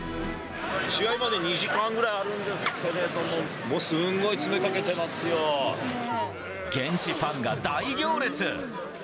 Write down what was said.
試合まで２時間ぐらいあるんですけれども、もうすごい詰めか現地ファンが大行列。